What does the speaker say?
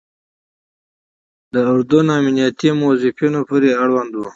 د اردن امنیتي موظفینو پورې اړوند وو.